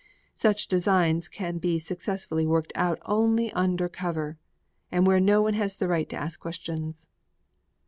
Such designs can be successfully worked out only under cover and where no one has the right to ask questions.